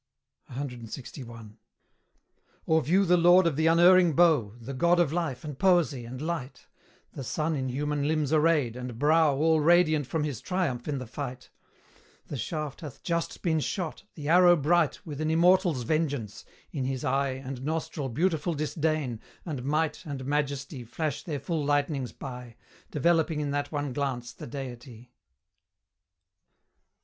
CLXI. Or view the Lord of the unerring bow, The God of life, and poesy, and light The Sun in human limbs arrayed, and brow All radiant from his triumph in the fight; The shaft hath just been shot the arrow bright With an immortal's vengeance; in his eye And nostril beautiful disdain, and might And majesty, flash their full lightnings by, Developing in that one glance the Deity.